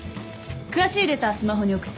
詳しいデータはスマホに送った。